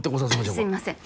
すいません。